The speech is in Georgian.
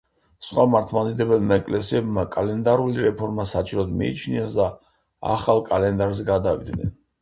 სხვა მართლმადიდებელმა ეკლესიებმა კალენდარული რეფორმა საჭიროდ მიიჩნიეს და ახალ კალენდარზე გადავიდნენ.